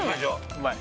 うまい？